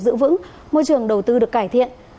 giữ vững môi trường đầu tư được cải thiện